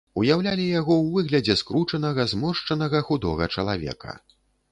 Уяўлялі яго ў выглядзе скручанага, зморшчанага худога чалавека.